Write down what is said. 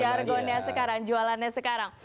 jargonnya sekarang jualannya sekarang